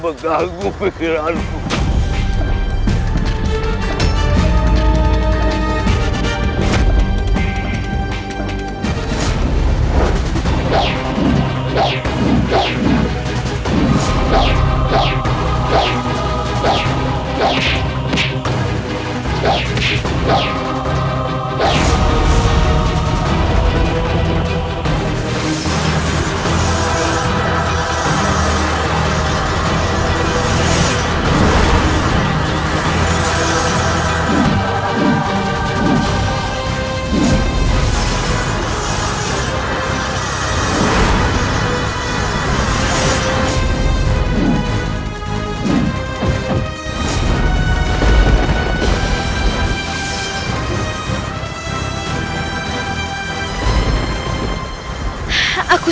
mengganggu pikiran ku